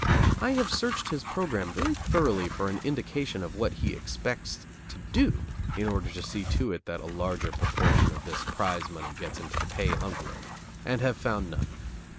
I have searched his program very thoroughly for an indication of what he expects to do in order to see to it that a larger proportion of this "prize" money gets into the pay envelope, and have found none.